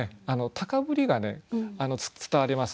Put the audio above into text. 高ぶりが伝わります。